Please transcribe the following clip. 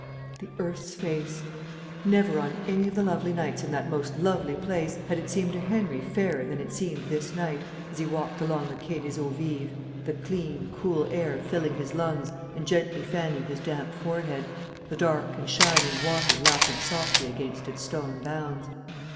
The earth's face! Never, on any of the lovely nights in that most lovely place, had it seemed to Henry fairer than it seemed this night, as he walked along the Quai des Eaux Vives, the clean, cool air filling his lungs and gently fanning his damp forehead, the dark and shining water lapping softly against its stone bounds.